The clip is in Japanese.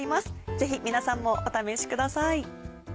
ぜひ皆さんもお試しください。